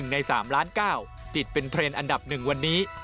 ใน๓ล้าน๙ติดเป็นเทรนด์อันดับ๑วันนี้